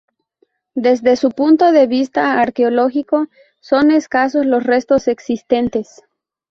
Desde un punto de vista arqueológico son escasos los restos existentes.